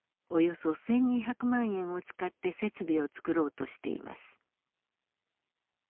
およそ１，２００万円を使って設備を作ろうとしています。